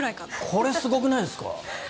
これ、すごくないですか？